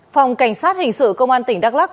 phòng cảnh sát hình sự công an tỉnh đắk lắc